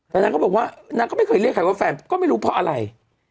แต่นางก็บอกว่านางก็ไม่เคยเรียกใครว่าแฟนก็ไม่รู้เพราะอะไร